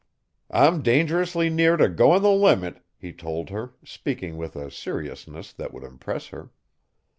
"I'm dangerously near to going the limit," he told her, speaking with a seriousness that would impress her.